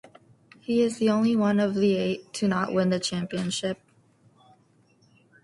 He is the only one of the eight to not win the championship.